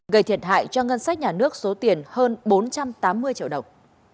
gây thiệt hại cho ngân sách nhà nước số tiền hơn bốn trăm tám mươi triệu đồng